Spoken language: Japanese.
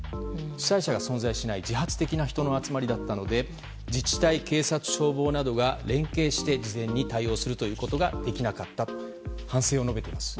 主催者が存在しない自発的な人の集まりだったので自治体、警察、消防などが連携して、事前に対応することができなかったと反省を述べています。